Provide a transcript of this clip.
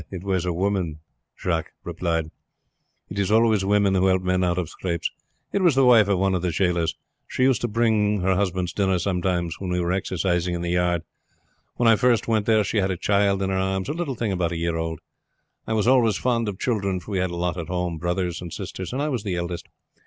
"It was a woman," the man replied. "It is always women who help men out of scrapes. It was the wife of one of the jailers. She used to bring her husband's dinner sometimes when we were exercising in the yard. When I first went there she had a child in her arms a little thing about a year old. I was always fond of children; for we had a lot at home, brothers and sisters, and I was the eldest.